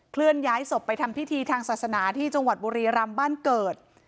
เลื่อนย้ายศพไปทำพิธีทางศาสนาที่จังหวัดบุรีรำบ้านเกิด